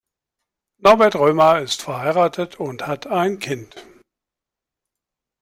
Norbert Römer ist verheiratet und hat ein Kind.